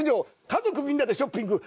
家族みんなでショッピング